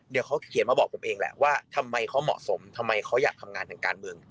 เดี๋ยวเขาเขียนมาบอกผมเองแหละว่าทำไมเขาเหมาะสมทำไมเขาอยากทำงานทางการเมือง